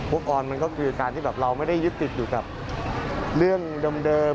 ออนมันก็คือการที่แบบเราไม่ได้ยึดติดอยู่กับเรื่องเดิม